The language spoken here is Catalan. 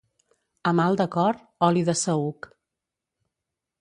A mal de cor, oli de saüc.